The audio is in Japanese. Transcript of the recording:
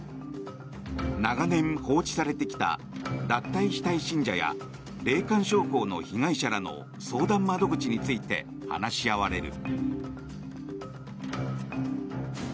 長年放置されてきた脱退したい信者や霊感商法の被害者らの相談窓口について話し合われる。